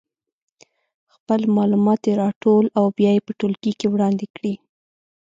خپل معلومات دې راټول او بیا یې په ټولګي کې وړاندې کړي.